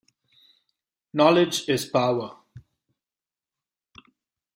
Knowledge is power.